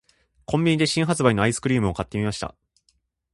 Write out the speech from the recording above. •コンビニで新発売のアイスクリームを買ってみました。